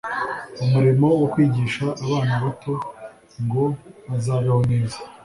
umurimo wo kwigisha abana babo ngo bazabeho neza